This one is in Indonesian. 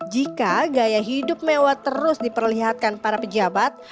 jika gaya hidup mewah terus diperlihatkan para pejabat